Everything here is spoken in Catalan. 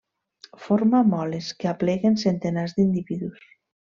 Forma moles que apleguen centenars d'individus.